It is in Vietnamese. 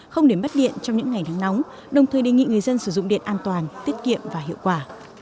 không để mất điện trong những ngày nắng nóng đồng thời đề nghị người dân sử dụng điện an toàn tiết kiệm và hiệu quả